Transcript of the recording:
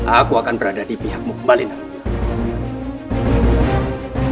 aku akan berada di pihakmu kembali nanti